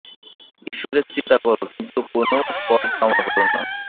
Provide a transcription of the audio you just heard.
ঈশ্বরের চিন্তা কর, কিন্তু কোন ফল-কামনা কর না।